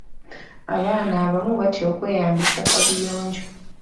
Abaana abamu batya okweyambisa kaabuyonjo.